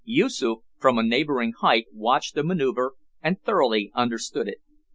Yoosoof, from a neighbouring height watched the manoeuvre, and thoroughly understood it.